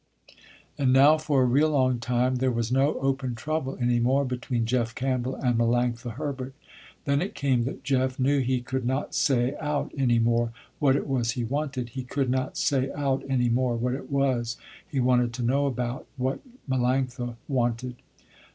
And now for a real long time there was no open trouble any more between Jeff Campbell and Melanctha Herbert. Then it came that Jeff knew he could not say out any more, what it was he wanted, he could not say out any more, what it was, he wanted to know about, what Melanctha wanted.